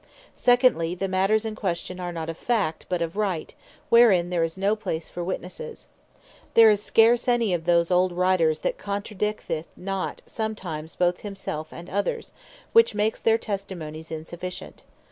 Secondly, the matters in question are not of Fact, but of Right, wherein there is no place for Witnesses. There is scarce any of those old Writers, that contradicteth not sometimes both himself, and others; which makes their Testimonies insufficient.